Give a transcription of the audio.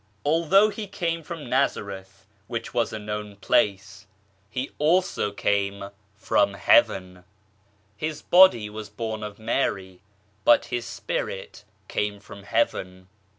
Although He came from Nazareth, which was a known place, He also came from Heaven. His body was born D 50 THE COMING OF CHRIST of Mary, but His Spirit came from Heaven.